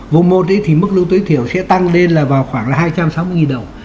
vùng một thì mức lương tối thiểu sẽ tăng lên là vào khoảng hai trăm sáu mươi đồng